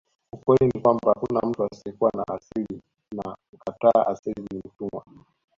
Ukweli ni kwamba hakuna mtu asiyekuwa na asili na mkataa asili ni mtumwa